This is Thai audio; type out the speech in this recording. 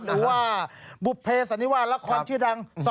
หรือว่าบุภเพสันนิวาสละครชื่อดัง